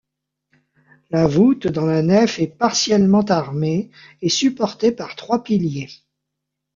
La voûte dans la nef est partiellement armée, et supportée par trois piliers.